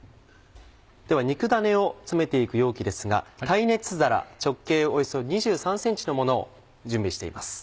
では肉だねを詰めていく容器ですが耐熱皿直径およそ２３ｃｍのものを準備しています。